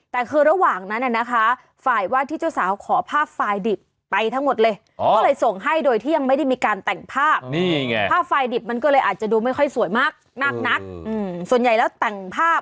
แต่คือระหว่างนั้นนะคะ